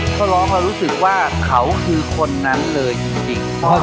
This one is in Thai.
เขาร้องแล้วรู้สึกว่าเขาคือคนนั้นเลยจริง